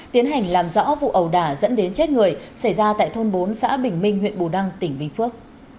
tiến hành làm rõ vụ ẩu đả dẫn đến chết người xảy ra tại thôn bốn xã bình minh huyện bù đăng tỉnh bình phước